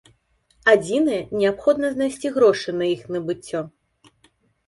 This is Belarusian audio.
Адзінае, неабходна знайсці грошы на іх набыццё.